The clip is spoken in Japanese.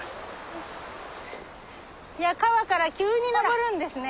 川から急に登るんですね。